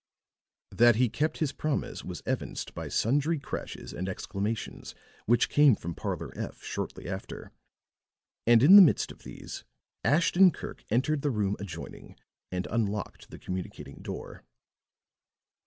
That he kept his promise was evinced by sundry crashes and exclamations which came from Parlor F shortly after; and in the midst of these Ashton Kirk entered the room adjoining and unlocked the communicating door.